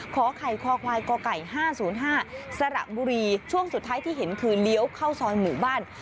ขอไข่คอควายกไก่๕๐๕สระบุรีช่วงสุดท้ายที่เห็นคือเลี้ยวเข้าซอยหมู่บ้าน